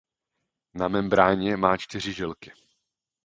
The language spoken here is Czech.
Na membráně má čtyři žilky.